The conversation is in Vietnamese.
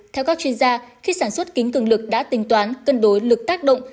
theo các chuyên gia khi sản xuất kính cưng lực đã tinh toán cân đối lực tác động